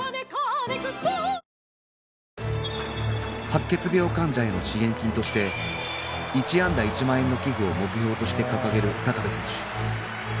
白血病患者への支援金として１安打１万円の寄付を目標として掲げる部選手